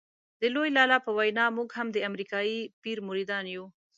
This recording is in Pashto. د لوی لالا په وینا موږ هم د امریکایي پیر مریدان یو.